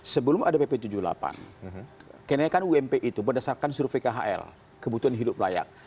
sebelum ada pp tujuh puluh delapan kenaikan ump itu berdasarkan survei khl kebutuhan hidup layak